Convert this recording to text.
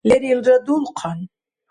Лерилра дулхъан.